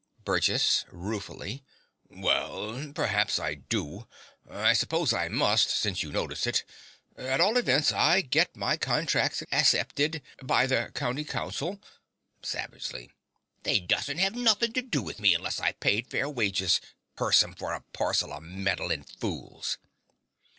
BURGESS (ruefully). Well, p'raps I do. I s'pose I must, since you notice it. At all events, I git my contrax asseppit (accepted) by the County Council. (Savagely.) They dussent'ave nothink to do with me unless I paid fair wages curse 'em for a parcel o' meddlin' fools!